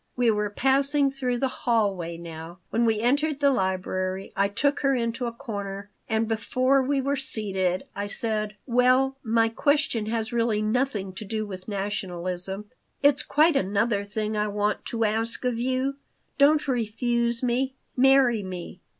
We were passing through the hallway now. When we entered the library I took her into a corner, and before we were seated I said: "Well, my question has really nothing to do with nationalism. It's quite another thing I want to ask of you. Don't refuse me. Marry me.